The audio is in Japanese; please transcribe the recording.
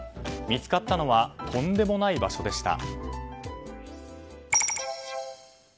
見つかったのはとんでもない場所でした。